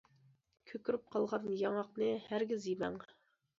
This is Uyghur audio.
كۆكىرىپ قالغان ياڭاقنى ھەرگىز يېمەڭ!